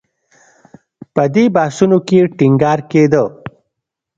په دې بحثونو کې ټینګار کېده